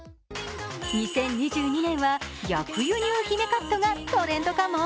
２０２２年、逆輸入姫カットがトレンドかも？